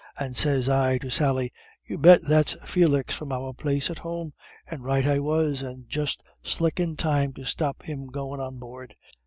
And says I to Sally, 'You bet, that's Felix from our place at home;' and right I was, and just slick in time to stop him goin' on board."